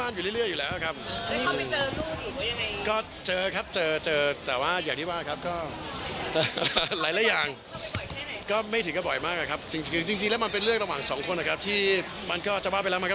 นี่คือเรื่องที่ควรจะคุยกันเองนั่นแหละ